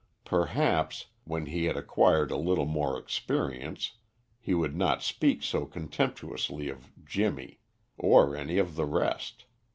Perhaps, when he had acquired a little more experience, he would not speak so contemptuously of "Jimmy," or any of the rest.